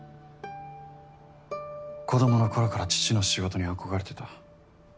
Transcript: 子供の頃から父の仕事に憧れてた。